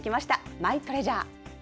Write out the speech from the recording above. マイトレジャー。